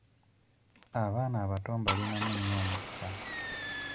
Abaana abato mbalinamu nnyo omukisa.